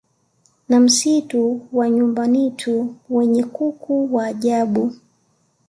na Msitu wa Nyumbanitu wenye kuku wa ajabu